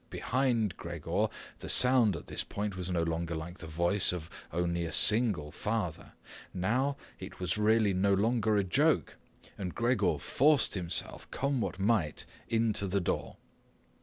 Behind Gregor the sound at this point was no longer like the voice of only a single father. Now it was really no longer a joke, and Gregor forced himself, come what might, into the door.